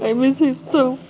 saya rindu dia sangat